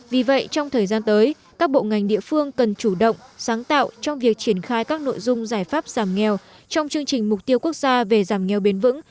vì vậy trong thời gian tới các bộ ngành địa phương cần chủ động sáng tạo trong việc triển khai các nội dung giải pháp giảm nghèo trong chương trình mục tiêu quốc gia về giảm nghèo bền vững